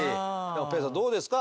ぺえさんどうですか？